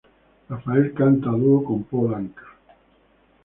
Raphael canta a dúo con Paul Anka.